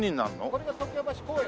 これが常盤橋公園。